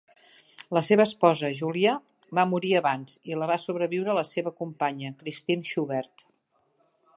La seva esposa, Julia, va morir abans i el va sobreviure la seva companya, Christine Schubert.